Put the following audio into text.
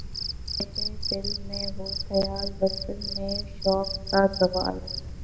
گر تیرے دل میں ہو خیال‘ وصل میں شوق کا زوال؟